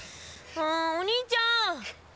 お兄ちゃん。